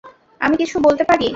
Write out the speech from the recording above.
আমি কিছু বলতে পারি?